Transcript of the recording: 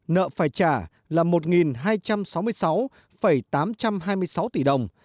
nợ phải trả là một hai trăm sáu mươi sáu tám trăm hai mươi sáu tỷ đồng